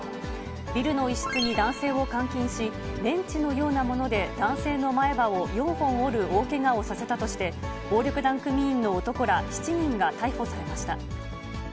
ビルの一室に男性を監禁し、レンチのようなもので男性の前歯を４本折る大けがをさせたとして、暴力団組員の男ら７人が逮捕されました。